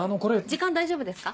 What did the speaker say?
時間大丈夫ですか？